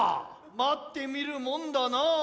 待ってみるもんだなあ。